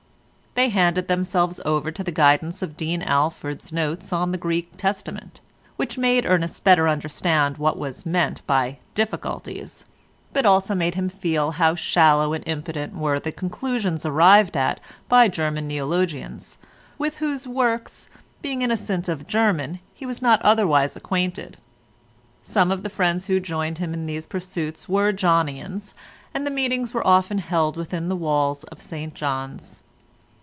They handed themselves over to the guidance of Dean Alford's notes on the Greek Testament, which made Ernest better understand what was meant by "difficulties," but also made him feel how shallow and impotent were the conclusions arrived at by German neologians, with whose works, being innocent of German, he was not otherwise acquainted. Some of the friends who joined him in these pursuits were Johnians, and the meetings were often held within the walls of St John's.